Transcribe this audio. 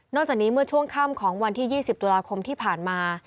จากนี้เมื่อช่วงค่ำของวันที่๒๐ตุลาคมที่ผ่านมา